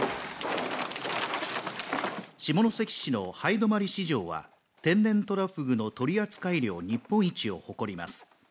下関市の南風泊市場は、天然トラフグの取扱量日本一を誇ります。